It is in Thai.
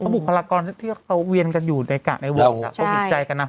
บุคลากรที่เขาเวียนกันอยู่ในกะในวงเขาผิดใจกันนะ